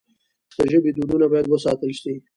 د ژبې دودونه باید وساتل سي.